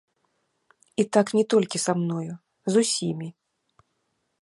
І так не толькі са мною, з усімі.